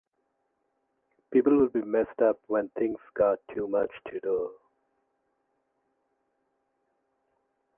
People will be messed up when things got too much to do